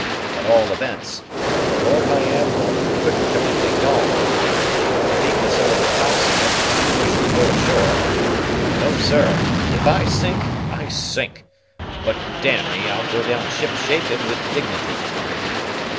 At all events, the Lord High Admiral couldn't command a yawl with dignity, if he consulted the cockswain every time he wished to go ashore. No sir, if I sink, I sink! but, d me, I'll go down ship shape and with dignity."